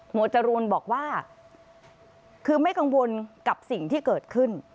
จรูนบอกว่าคือไม่กังวลกับสิ่งที่เกิดขึ้น